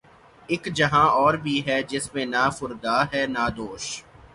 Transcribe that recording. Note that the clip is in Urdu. اک جہاں اور بھی ہے جس میں نہ فردا ہے نہ دوش